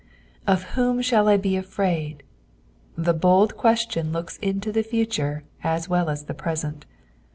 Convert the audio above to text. " Of whom thall I h» aJYaidt" The bold question looks into the future as well as the present.